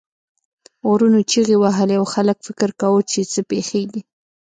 غرونو چیغې وهلې او خلک فکر کاوه چې څه پیښیږي.